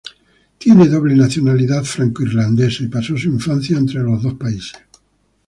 Tiene doble nacionalidad franco-irlandesa y pasó su infancia entre estos dos países.